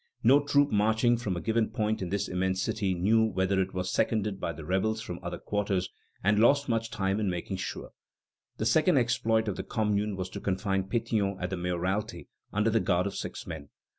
No troop marching from a given point in this immense city knew whether it was seconded by the rebels from other quarters, and lost much time in making sure." The second exploit of the Commune was to confine Pétion at the mayoralty under the guard of six men.